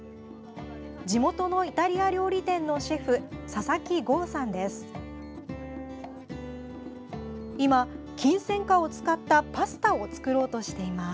地元のイタリア料理店のシェフ・佐々木剛さんです。